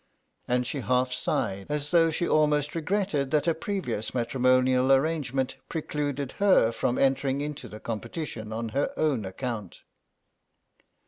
And she half sighed, as though she almost regretted that a previous matrimonial arrangement precluded her from entering into the competition on her own account.